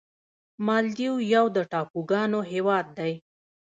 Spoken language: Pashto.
مالدیو یو د ټاپوګانو هېواد دی.